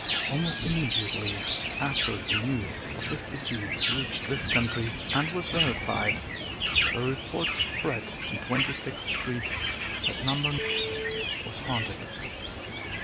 Almost immediately after the news of his decease reached this country and was verified, the report spread in Twenty sixth Street that No. was haunted.